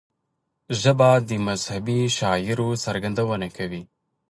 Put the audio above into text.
ژبه د مذهبي شعائرو څرګندونه کوي